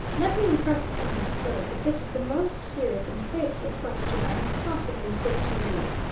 Let me impress upon you, sir, that this is the most serious and fateful question I can possibly put to you!